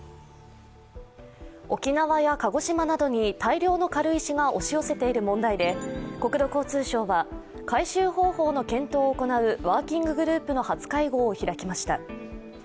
沖縄や鹿児島などに大量の軽石が押し寄せている問題で国土交通省は回収方法の検討を行うワーキンググループの初会合を開きました。